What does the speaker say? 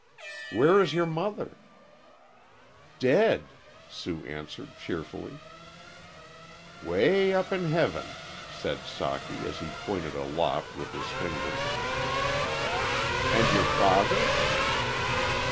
"Where is your mother?" "Dead," Sue answered, cheerfully. "'Way up in heaven," said Socky, as he pointed aloft with his finger. "And your father?"